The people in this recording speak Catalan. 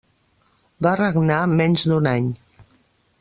Va regnar menys d'un any.